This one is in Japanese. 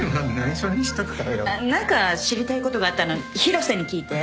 何か知りたいことがあったら広瀬に聞いて。